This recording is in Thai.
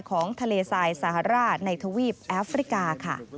ของทะเลทรายสหรัฐในทวีปแอฟริกาค่ะ